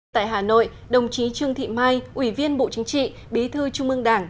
tại hà nội đồng chí trương thị mai ủy viên bộ chính trị bí thư trung ương đảng